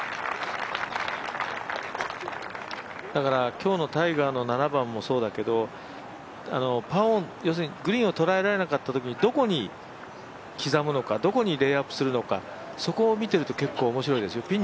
だから今日のタイガーの７番もそうだけどパーオン、グリーンをとらえられなかったときにどこに刻むのかどこにレイアップするのかそこを見ていると結構、面白いですよ